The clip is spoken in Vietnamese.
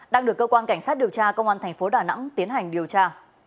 đang được cơ quan cảnh sát điều tra công an tp đà nẵng tiến hành điều tra